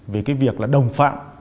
về cái việc là đồng phạm